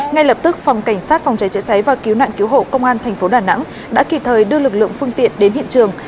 ngay lập tức phòng cảnh sát phòng cháy chữa cháy và cứu nạn cứu hộ công an tp đà nẵng đã kịp thời đưa lực lượng phương tiện đến hiện trường